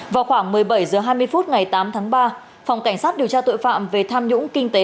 vào khoảng một mươi bảy h hai mươi phút ngày tám tháng ba phòng cảnh sát điều tra tội phạm về tham nhũng kinh tế